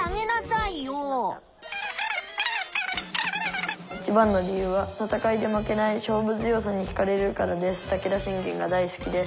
「いちばんの理由は戦いで負けない勝負強さにひかれるからです。